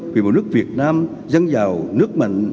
vì một nước việt nam dân giàu nước mạnh